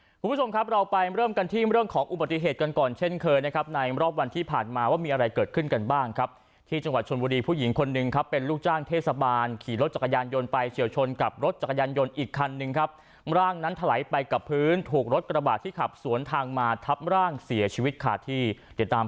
คุณผู้ชมครับเราไปเริ่มกันที่เรื่องของอุบัติเหตุกันก่อนเช่นเคยนะครับในรอบวันที่ผ่านมาว่ามีอะไรเกิดขึ้นกันบ้างครับที่จังหวัดชนบุรีผู้หญิงคนหนึ่งครับเป็นลูกจ้างเทศบาลขี่รถจักรยานยนต์ไปเฉียวชนกับรถจักรยานยนต์อีกคันหนึ่งครับร่างนั้นถลายไปกับพื้นถูกรถกระบาดที่ขับสวนทางมาทับร่างเสียชีวิตขาดที่เดี๋ยวตาม